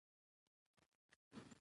خبر د جملې په سر، منځ او پای کښي راځي.